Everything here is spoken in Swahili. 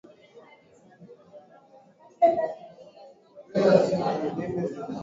ulalamishi na kueleza matatizo daima Lugha Utamaduni huu hauna lugha rasmi bali ina muundo